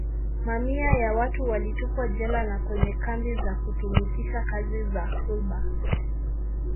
Mamia ya watu walitupwa jela na kwenye kambi za kutumikisha kazi za sulba